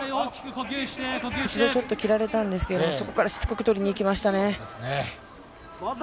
一度ちょっと切られたんですが、そこからしつこく取りにいきですね。